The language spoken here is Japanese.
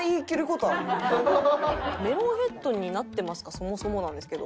そもそもなんですけど。